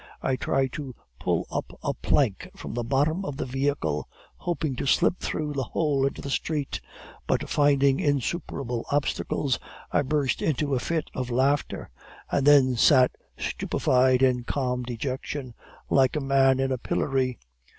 I tried to pull up a plank from the bottom of the vehicle, hoping to slip through the hole into the street; but finding insuperable obstacles, I burst into a fit of laughter, and then sat stupefied in calm dejection, like a man in a pillory.